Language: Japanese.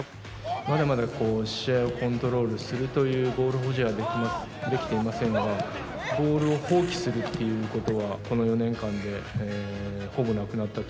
まだまだ試合をコントロールするというボール保持はできていませんが、ボールを放棄するということは、この４年間で、ほぼなくなったと。